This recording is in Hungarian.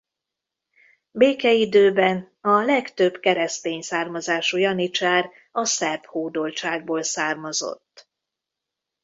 Békeidőben a legtöbb keresztény származású janicsár a szerb hódoltságból származott.